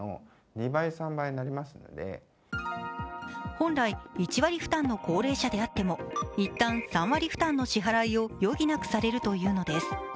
本来１割負担の高齢者であっても一旦３割負担の支払いを余儀なくされるというのです。